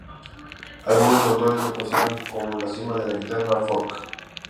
Algunos autores lo consideran como la cima de la "guitarra folk".